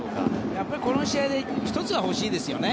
やっぱり、この試合で１つは欲しいですよね。